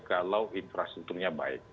kalau infrastrukturnya baik